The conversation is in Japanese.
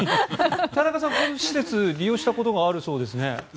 田中さん、この施設利用したことがあるそうですね。